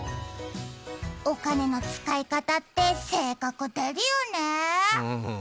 お金の使い方って性格出るよね。